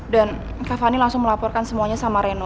dan kak fani langsung melaporkan semuanya sama reno